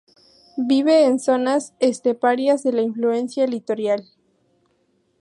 Vive en zonas esteparias de influencia litoral.